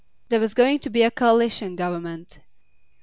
There was going to be a coalition Government.